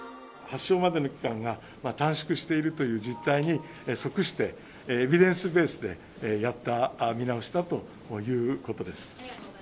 発症までの期間が短縮しているという実態に則して、エビデンスベースでやった見直しだということです。